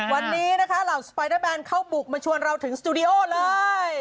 วันนี้นะคะเหล่าสไปเดอร์แบนเขาบุกมาชวนเราถึงสตูดิโอเลย